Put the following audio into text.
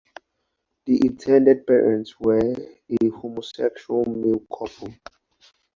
The intended parents were a homosexual male couple.